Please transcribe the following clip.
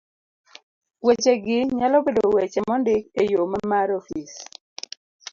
Wechegi nyalo bedo weche mondik e yo ma mar ofis